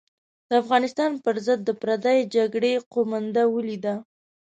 د افغانستان پر ضد د پردۍ جګړې قومانده ولیده.